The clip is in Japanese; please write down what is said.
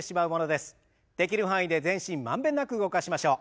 できる範囲で全身満遍なく動かしましょう。